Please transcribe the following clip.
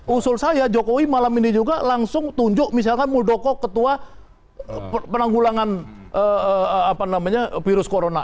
usul saya jokowi malam ini juga langsung tunjuk misalkan muldoko ketua penanggulangan virus corona